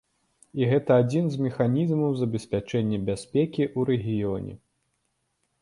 І гэта адзін з механізмаў забеспячэння бяспекі ў рэгіёне.